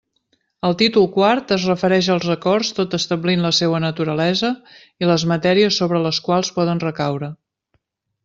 El títol quart es refereix als acords, tot establint la seua naturalesa i les matèries sobre les quals poden recaure.